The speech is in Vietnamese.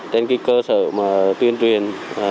trên cơ sở tuyên truyền